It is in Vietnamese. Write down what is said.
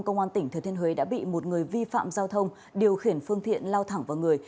công an tỉnh thừa thiên huế đã bị một người vi phạm giao thông điều khiển phương tiện lao thẳng vào người